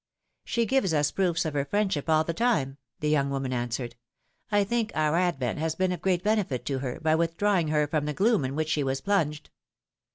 ^'She gives us proofs of her friendship all the time," the young woman answered. think our advent has been of great benefit to her, by withdrawing her from the gloom in which she was plunged."